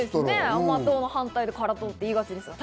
甘党の反対で辛党って使いがちですよね。